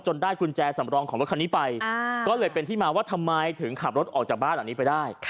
ได้กุญแจสำรองของรถคันนี้ไปก็เลยเป็นที่มาว่าทำไมถึงขับรถออกจากบ้านหลังนี้ไปได้